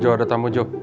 jojo ada tamu job